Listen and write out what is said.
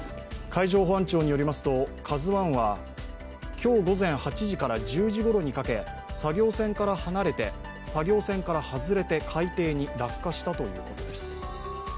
海上保安庁によりますと「ＫＡＺＵⅠ」は今日午前８時から１０時ごろにかけ作業船から外れて海底に落下したということです。